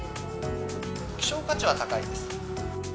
希少価値は高いです。